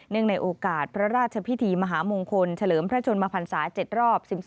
เนื่องในโอกาสพระราชพิธีมหามงคลเฉลิมพระชนมภัณฑ์ศาสตร์๗รอบ